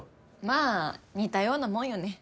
まあ似たようなもんよね？